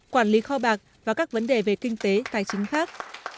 quản lý kho bạc và các vấn đề về kinh tế tài chính khác